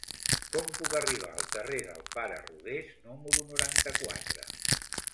Com puc arribar al carrer del Pare Rodés número noranta-quatre?